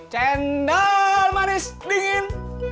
cendal manis dingin